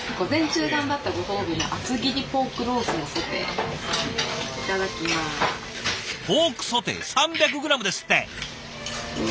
ポークソテー３００ｇですって。